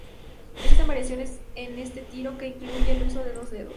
Existen variaciones en este tiro, que incluye el uso de dos dedos.